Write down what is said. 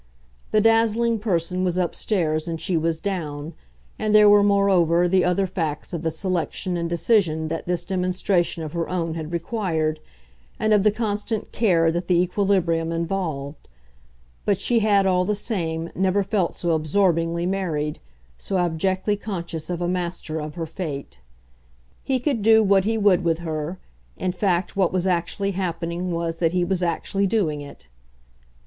The dazzling person was upstairs and she was down, and there were moreover the other facts of the selection and decision that this demonstration of her own had required, and of the constant care that the equilibrium involved; but she had, all the same, never felt so absorbingly married, so abjectly conscious of a master of her fate. He could do what he would with her; in fact what was actually happening was that he was actually doing it.